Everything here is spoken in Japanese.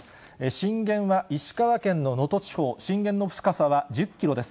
震源は石川県の能登地方、震源の深さは１０キロです。